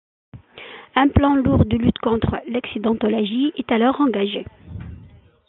Un plan lourd de lutte contre l’accidentologie est alors engagé.